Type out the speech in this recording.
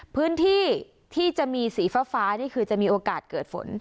พื้นที่ที่จะมีสีฟ้านี่คือจะมีโอกาสเกิดฝน